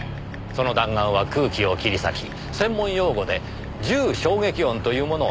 その弾丸は空気を切り裂き専門用語で銃衝撃音というものを発生させます。